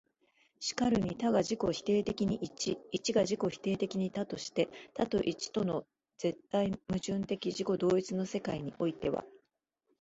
然るに多が自己否定的に一、一が自己否定的に多として、多と一との絶対矛盾的自己同一の世界においては、